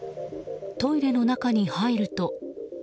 トイレの中に入ると。